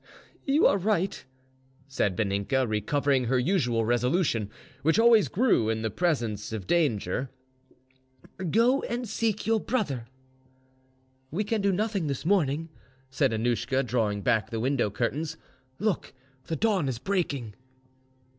"You are right," said Vaninka, recovering her usual resolution, which always grew in the presence of danger. "Go and seek your brother." "We can do nothing this morning," said Annouschka, drawing back the window curtains. "Look, the dawn is breaking."